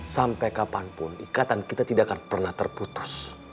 sampai kapanpun ikatan kita tidak akan pernah terputus